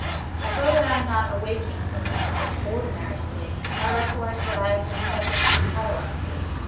I feel that I am not awaking from ordinary sleep. I recollect that I have been subject to catalepsy.